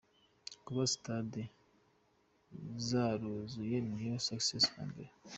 Kuba Stade zaruzuye niyo success ya mbere.